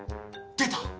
出た！